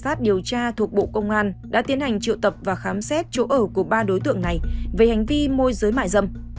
cảnh sát điều tra thuộc bộ công an đã tiến hành triệu tập và khám xét chỗ ở của ba đối tượng này về hành vi môi giới mại dâm